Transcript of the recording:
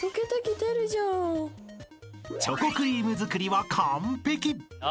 ［チョコクリーム作りは完璧！］